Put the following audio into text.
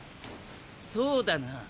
そうだな。